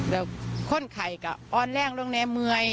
แล้วคนไข่ออนแรงลงแนมเมื่อย